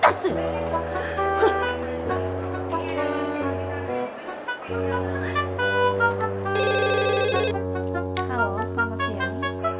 halo selamat siang